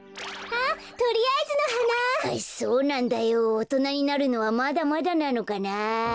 おとなになるのはまだまだなのかなあ。